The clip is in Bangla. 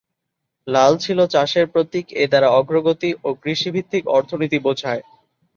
লাল ছিল চাষের প্রতীক, এ দ্বারা অগ্রগতি ও কৃষিভিত্তিক অর্থনীতি বোঝায়।